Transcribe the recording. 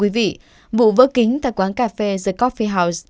vụ vỡ kính tại quán cà phê the coffee house